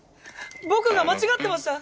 僕が間違ってました！